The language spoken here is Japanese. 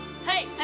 はい！